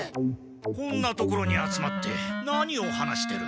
こんな所に集まって何を話してる？